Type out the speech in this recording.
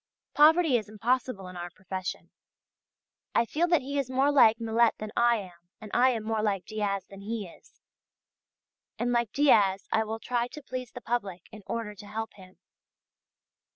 Poverty is impossible in our profession. I feel that he is more like Millet than I am, but I am more like Diaz than he is. And like Diaz I will try to please the public in order to help him.